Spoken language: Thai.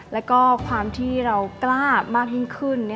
แล้วก็ความที่เรากล้ามากยิ่งขึ้น